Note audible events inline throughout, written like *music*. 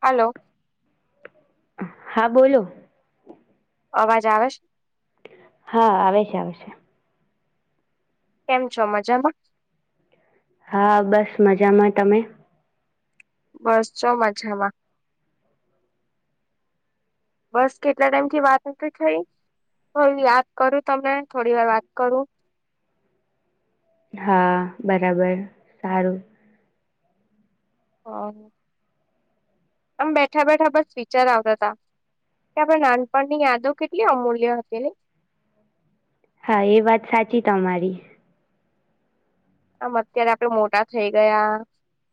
Hello હા બોલો અવાજ આવે છે હા આવે છે આવે છે કેમ છો મજામાં હા બસ મજામાં તમે બસ ચો મજામાં બસ કેટલા ટાઈમ થી વાત થઈ થું યાદ કરું તમને થોડી વાર વાત કરું હા બરાબર સારું હ આમ બેઠા બેઠા બસ વિચાર આવતા તા કે આપણે નાનપણની યાદો કેટલી અમૂલ્ય હતીને હા એ વાત સાચી તમારી આમ અત્યારે આપડે મોટા થઈ ગયા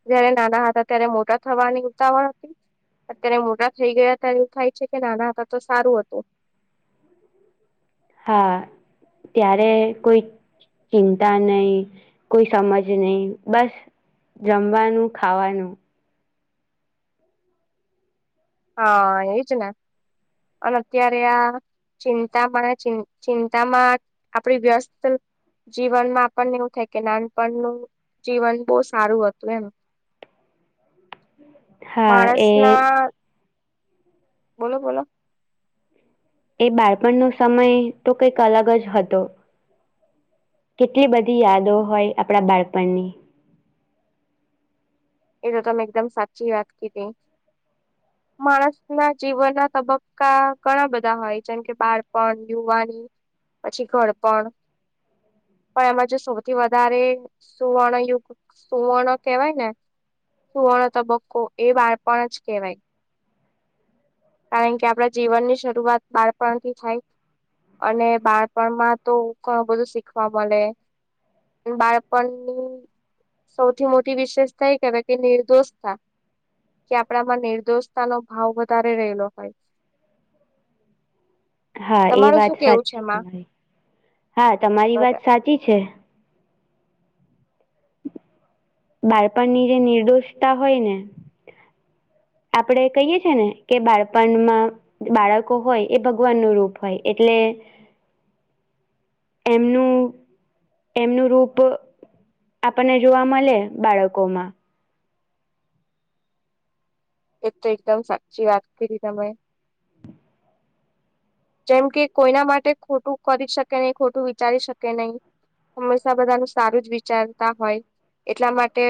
જયારે નાના હતા ત્યારે મોટા થવાની ઉતાવળ હતી અત્યારે મોટા થઈ ગયા હતા એવું થાય છે કે નાના હતા તો સારું હતું હા ત્યારે કોઈ ચિંતા નહીિ કોઈ સમજ નહીિ બસ જમવાનું ખાવાનું હા એજ ને અને અત્યારે આ ચિંતામાં ચિંતામાં આપડી વ્યસ્ત જીવન માં આપણને એવું થાય કે નાનપણનું જીવન બહુ સારું હતું એમ હા માણસ એ ના બોલો બોલો એ બાળપણનો સમય તો કંઈક અલગ જ હતો કેટલી બધી યાદો હોય આપણા બાળપણની એ તો તમે એકદમ સાચી વાત કીધી માણસ ના જીવનના તબક્કા ઘણા બધા હોય જેમ કે બાળપણ યુવાની પછી ઘરપણ પણ એમાં જે સૌથી વધારે સુવર્ણયુગત સુવર્ણ કેવાય ને સુવર્ણ તબક્કો એ વાળપણ જ કેવાય કારણ કે આપણા જીવન ની શરૂઆત બાળપણથી થાય અને બાળપણમાં તોણું બધું શીખવા મળે બાળપણની સૌથી મોટી વિશેષ કઈ કર કે નિર્દોષ હતા કે આપડામાં નિર્દોષતા નો ભાવ વધારે રહેલો હોય હા એ તમારું વાત શું કેવું છે સાચી એમાં તમારી હા તમારી બરા વાત સાચી છે બારપની જે નિર્દોષતા હોય ને આપડે કહીએ છેીએ ને કે બાળપણમાં બાળકો હોય એ ભગવાન નું રૂપ હોય એટલે એમનું એમનું રૂપ આપણને જોવા મળે બાળકો માં એ તો એકદમ સાચી વાત કરી હતી તમે જેમ કે કોઈના માટે ખોટું કરી શકે નહી ખોટું વિચારી શકે નહીિ હંમેશા બધાનું સારું જ વિચારતા હોય એટલા માટે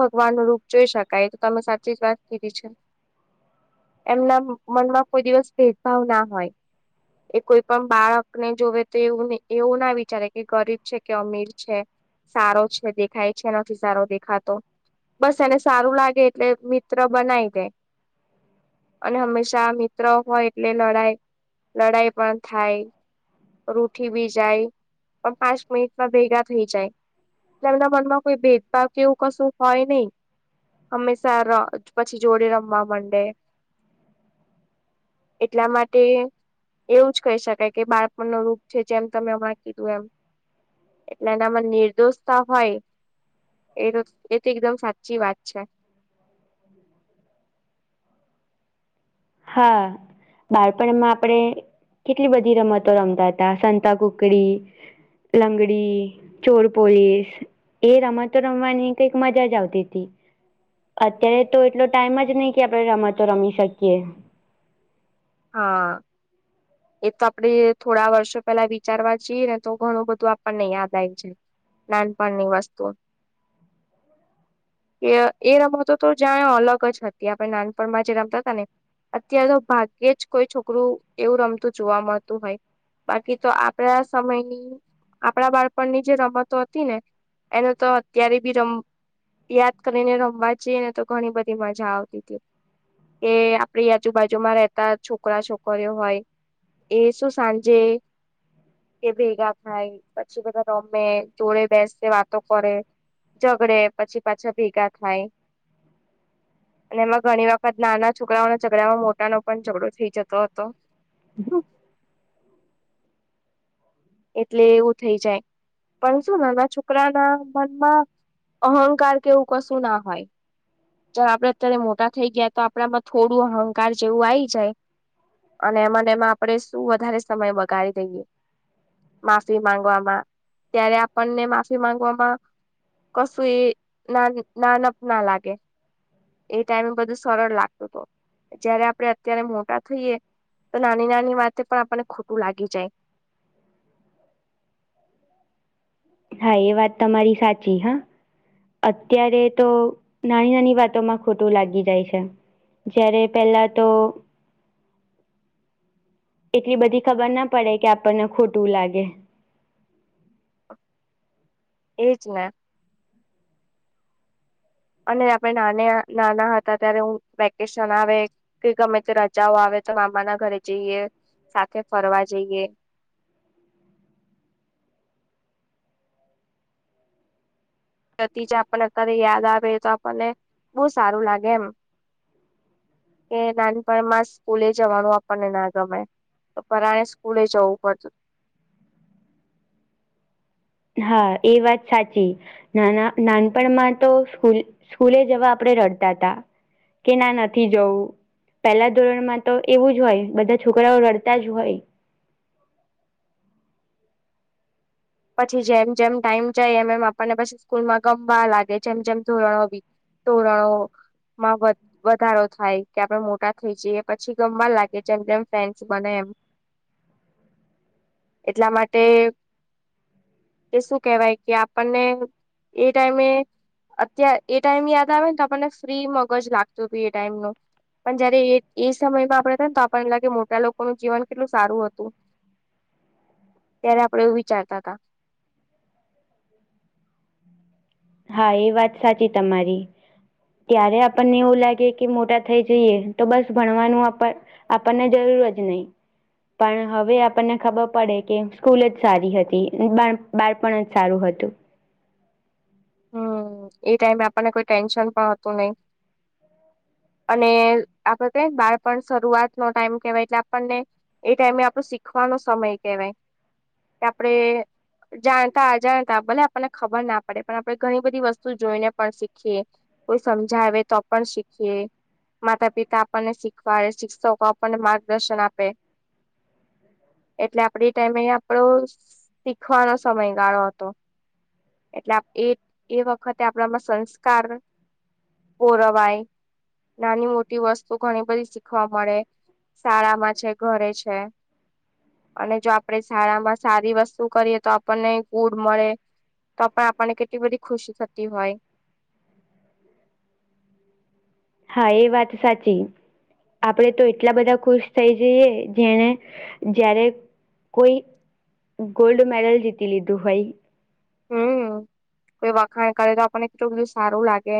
ભગવાન નું રૂપ જોઈ શકાય તો તમે સાચી જ વાત કરીીધી છે એમના મનમાં કોઈ દિવસ ભેદભાવ ના હોય એ કોઈ પણ બાળકને જોવે તો એવું એવું ના વિચારે કે ગરીબ છે કે અમીર છે સારો છે દેખાય છે નથી સારો દેખાતો બસ એને સારું લાગે એટલે મિત્ર બનાવી દે અને હંમેશા મિત્ર હોય એટલે લડાય લળાઈ પણ થાય રૂઠીબી જાય પણ પાંચ મિનિટમાં ભેગા થઈ જાય એટલે એમના મનમાં કોઈ ભેદભાવ કેવું કશું હોય નહીં હંમેશા *unintelligible* પછી જોડે રમવા મંડે એટલા માટે તે એવું જ કહી શકાય કે બાળપણ નો રૂપ છે જેમ તમે *unintelligible* અ કીધું એમ એટલે એનામાં નિર્દોષતા હોય એતો એ તો એકદમ સાચી વાત છે હા બાળપણમાં આપણે કેટલી બધી રમતો રમતા હતા સંતા કુકડી લંગડી ચોર પોલીસ એ રમતો રમવાની કઈક મજા જ આવતી હતી અત્યારે તો એટલો ટાઈમ જ નહી કે આપણે રમતો રમી શકીએ હા એ તો આપડે થોડા વર્ષો પેલા વિચારવા જીએ ને તો ઘણું બધું આપણને યાદ આવે જ નાનપણની વસ્તુ એ રમતો તો જાણે અલગ જ હતી આપણે નાનપણમાં જે રમતા હતા ને અત્યાર તો પા કે જ કોઈ છોકરું એવું રમતું જોવા મળતું હોય બાકી તો આપડા સમયની આપણા બાળપણની જે રમતો હતી ને એનો તો અત્યારે બી રમ યાદ કરીને રમવા જઈએ ને તો ઘણી બધી મજા આવતી હતી એ આપે આજુબાજુમાં રહે છોકરા છોકરીઓ હોય એ શું સાંજે એ ભેગા થાય પછી બધા રમે જોડે બેસેને વાતો કરે ઝગડે પછી પાછા ભેગા થાય અને એમાં ઘણી વખત નાના છોકરાઓ ના જગડામાં મોટા નો પણ ઝઘડો થઈ જતો હતો એટલે એવું થઈ જાય પણ શું ને એ છોકરા ના મનમાં અહંકાર કેવું કશું ના હોય જો આપડે અત્યારે મોટા થઈ ગયા તો આપણામાં થોડું અહંકાર જેવું આવી જાય અને એમાંને એમાં આપણે શું વધારે સમય બગાડી દઈએ માફી માંગવામાં ત્યારે આપણને માફી માંગવામાં કશું એ નાન નાનપ ના લાગે એ ટાઈમે બધું સરળ લાગતું તો જયારે આપડણે અત્યારે મોટા થઈએ તો નાની નાની વાતે પણ આપણને ખોટું લાગી જાય હા એ વાત તમારી સાચી હા અત્યારે તો નાની નાની વાતોમાં ખોટું લાગી જાય છે જયારે પેલા તો એટલી બધી ખબર ના પડે કે આપણને ખોટું લાગે એજ ને અને આપે નાને નાના હતા ત્યારે હું વેકેશન આવે કે ગમે તે રજાઓ આવે તો મામા ના ઘરે જઈએ સાથે ફરવા જઈએ પ્રતિજા આપણને અત્યારે યાદ આવે તો આપણને બહુ સારું લાગે એમ કે નાનપણમાં સ્કૂલે જવાનું આપણને ના ગમે તો પરાણે સ્કૂલે જવું પડતું હા એ વાત સાચી નાના નાનપણમાં તો સ્કૂલે જવા આપણે રડતા હતા કે ના નથી જવું પેલા ધોરણમાં તો એવું જ હોય બધા છોકરાઓ રડતા જ હોય પછી જેમ જેમ ટાઈમ જાય એમ એમ આપણને પછી સ્કૂલમાં ગમવા લાગે જેમ જેમ ધોરણ હો તોરણો માં વધ વધારો થાય કે આપડે મોટા થઇ જઈએ પછી ગમવા લાગે જેમ જેમ ફેન્સ બને એમ એટલા માટે એ શું કેહેવાય કે આપણને એ ટાઈમે અત્યારે એ ટાઈમ યાદ આવે ને તો આપણને ફ્રી મગજ લાગતું હતું એ ટાઈમ ન પણ જયારે એ એ સમયમાં આપડે થ ને તો આપણને લાગે મોટા લોકોનું જીવન કેટલું સારું હતું. ત્યારે આપડે એવું વિચારતા હતા. હા એ વાત સાચી તમારી. ત્યારે આપણને એવું લાગે કે મોટા થઈ જઈએ તો બસ ભણવાનું આપ આપણને જરૂર જ નહી. પણ હવે આપણને ખબર પડે કે સ્કૂલ જ સારી હતી બાળપણ જ સારું હતું. હમ્મ એ ટાઈમે આપણને કોઈ ટેન્શન પણ હતું નઈ. અને આપડ કે બાળપણ શરૂઆત નો ટાઈમ કેવાય એટલે આપણને એ ટાઈમે આપડો શીખવાનો સમય કહેવાય. આપડે જાણતા અજાણતા ભલે આપણને ખબર ના પડે પણ આપણે ઘણી બધી વસ્તુ જોઈને પણ શીખીએ કોઈ સમજાવે તો પણ શીખીએ માતા પિતા આપણને શીખવાડે શિક્ષકો આપણને માર્ગદર્શન આપે એટલે આપડી ટાઈમે આપડો શીખવાનો સમય ગાળો હતો એટલે એ એ વખતે આપણામાં સંસ્કાર ઓરવાય નાની મોટી વસ્તુ ઘણી બધી શીખવા મળે શાળામાં છે ઘરે છે. અને જો આપણેે શાળામાં સારી વસ્તુ કરીએ તો આપણને ગુડ મળે. તો આપપણાને કેટ બધ ખુશી થતી હોય. હા એ વાત સાચી આપડે તો એટલા બધા ખુશ થઈ જઈએ જેને જ્યારે કોઈ ગોલ્ડ મેડલ જીતી લીધું હોય હ કોઈ વખાણ કરે તો આપણને કેટલું બધું સારું લાગે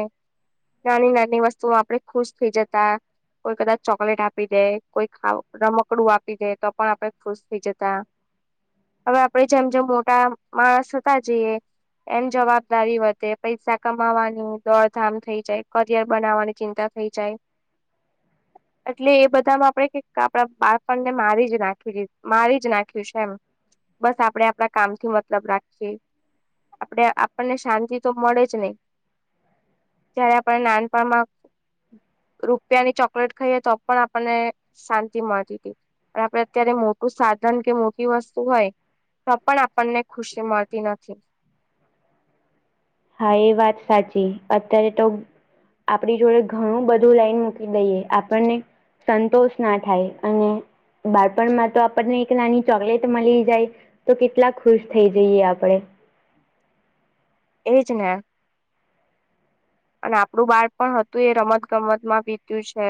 નાની નાની વસ્તુઓ આપણે ખુશ થઈ જતા કોઈ કદાચ ચોકલેટ આપી દે કોઈ ખ રમકડું આપી દે તો પણ આપડે ખુશ થઈ જતા હવે આપડે જેમ જેમ મોટા માણસ હતા જઈએ એમ જવાબદારી વધે પૈસા કમાવાની દોડધામ થઈ જાય કરિયર બનાવવાની ચિંતા થઈ જાય એટલે એ બધામાં આપણેે આપડા બાળપણને મારી જ નાખી મારી જ નાખ્યું છે એમ બસ આપડે આપણા કામ થી મતલબ આપડે આપણને શાંતિ તો મળે જ નઈ જયારે આપ નાનપણમાં. રૂપિયાની ચોકલેટ ખાઈએ તો પણ આપણને શાંતિ મળતી હતી. પણ આપડ અત્યારે મોટું સાધન કે મોટી વસ્તુ હોય તો પણ આપણને ખુશી મળ તી નથી. હા એ વાત સાચી અત્યારે તો આપણી જોડે ઘણું બધું લાઈન મૂકી દઈએ આપણને સંતોષ ના થાય અને બાળપણમાં તો આપણને એક નાની ચોકલેટ મળી જાય તો કેટલા ખુશ થઈ જઈએ આપણેે. એજ ને. અને આપડું બાળ પણ હતું એ રમત ગમત માં વીત્યું છે.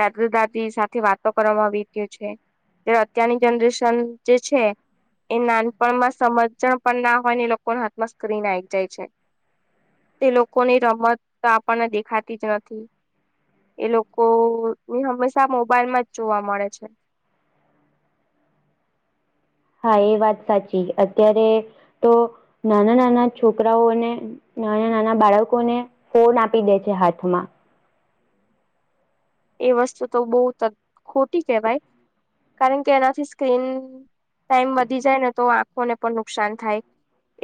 દાદા દાદી સાથે વાતો કરવામાં આવીત્યો છે. એ ત્યારે અત્યારની જનરેશન જે છે. એ નાનપણમાં સમજજણ પણ ના હોય ને લોકોના હાથમાં સ્ક્રીન આવી જાય છે. તે લોકોની રમત આપણને દેખાતી જ નથી. એ લોકો ની હંમેશા મોબાઈલ માં જ જોવા મળે છે. હા એ વાત સાચી અત્યારે તો નાના નાના છોકરાઓને નાના નાના બાળકોને ફોન આપી દે છે હાથમાં. એ વસ્તુ તો બહુ ખોટી કેહેવાય કારણ કે એનાથી સ્ક્રીન ટાઈમ વધી જાય ને તો આંખોને પણ નુકસાન થાય.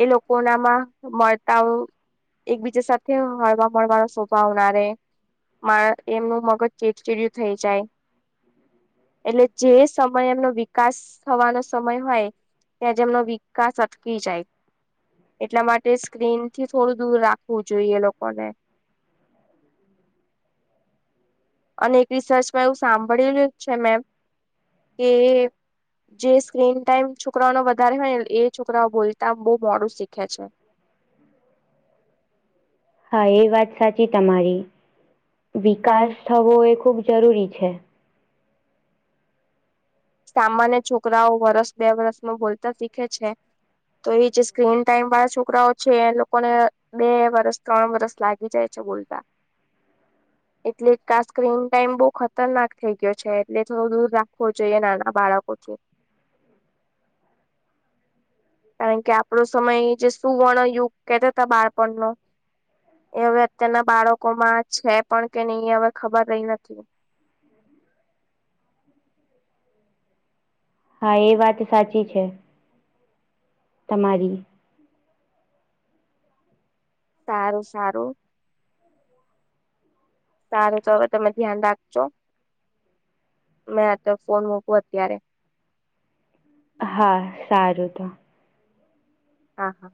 એ લોકોનામાં મળતાઓ એકબીજા સાથે હળવા મળવાનો સ્વભાવનારે માણ એમનું મગજ ચેડચીડયું થઈ જાય. એટલે જે સમય એમનો વિકાસ થવાનો સમય હોય, ત્યાં જેમનો વિકાસ અટકી જાય. એટલા માટે સ્ક્રીનથી થોડું દૂર રાખવું જોઈએ લોકોને અને એક રિસર્ચમાં એવું સાંભળેલું છે મે કે જે સ્ક્રીન ટાઈમ છોકરાઓનો વધારે હોય ને એ છોકરાઓ બોલતા બહુ મોડું શીખે છે. હા એ વાત સાચી તમારી કારણ વિકાસ થવો એ ખૂબ જરૂરી છે. સામાન્ય છોકરાઓ વરસ, બે વરસમાં બોલતા શીખે છે. તો એ જે સ્ક્રીન ટાઈમ વાળા છોકરાઓ છે એ લોકોને બે વરસ, ત્રણ વરસ લાગી જાય છે બોલતા એટલે એક સ્ક્રીન ટાઈમ બહુ ખતરનાક થઇ ગયો છે એટલે થોડું દૂર રાખવો જોઈએ નાના બાળકોથી કારણ કે આપણો સમય જે સુવર્ણ યુગ કેતા હતા બાળપણનો એ હવે અત્યારના બાળકોમાં છે પણ કે નહી હવે ખબર રહી નથી. હા એ વાત સાચી છે. તમારી સારું સારું સારું તો હવે તમે ધ્યાન રાખજો મેં આ તો ફોન મૂકું અત્યારે હા સારું તો હા હા